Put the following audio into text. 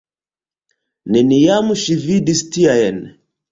Neniam ŝi vidis tiajn!